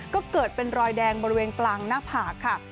ก็เกิดเป็นรอยแดงบริเวณกลางหน้าผากค่ะ